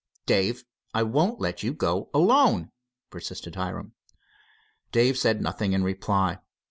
"Dave, I won't let you go alone," persisted Hiram. Dave said nothing in reply.